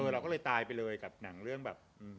เราก็เลยตายไปเลยกับหนังเรื่องแบบ